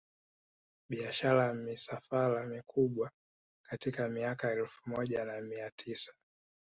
Biashara ya misafara mikubwa katika miaka ya elfu moja na mia tisa